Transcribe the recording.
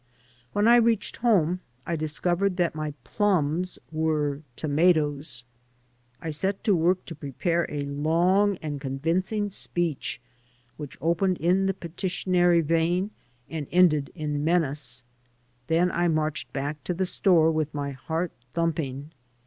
When I reached home I discovered that my plums were tomatoes. I set to WOTk to prepare a long and convincing speech which opened in the petitionary vein and ended in menace. Then I marched back to the store with my heart thumping.